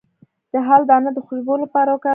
د هل دانه د خوشبو لپاره وکاروئ